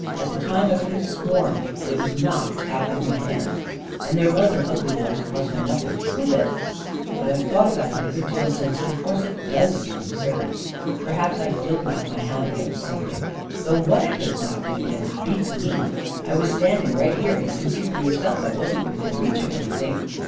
At the time, I would have sworn that it was knocked out of my hand — and there was an ugly welt across my knuckles to A KING IN BABYLON 247 prove it. But I've thought about it a good deal since, and of course it does seem absurd. Perhaps I did knock my hand against something — though what I could have knocked it against beats me. I was standing right here — you can see for yourself I wasn't within reach of anything